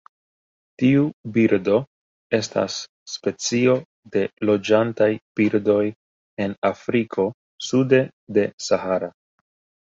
Tiu birdo estas specio de loĝantaj birdoj en Afriko sude de Sahara.